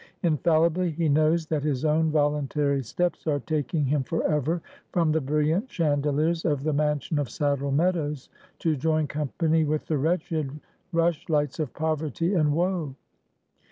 Infallibly he knows that his own voluntary steps are taking him forever from the brilliant chandeliers of the mansion of Saddle Meadows, to join company with the wretched rush lights of poverty and woe.